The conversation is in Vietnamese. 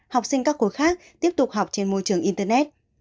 học sinh các khối khác tiếp tục học trên môi trường internet